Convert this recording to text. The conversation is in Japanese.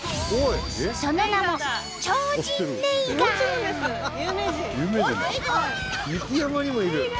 その名も雪山にもいる。